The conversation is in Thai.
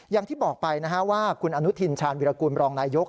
อย่างที่บอกไปว่าคุณอนุทินชาญวิรากูลรองนายก